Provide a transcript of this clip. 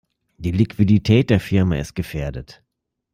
Die Liquidität der Firma ist gefährdet.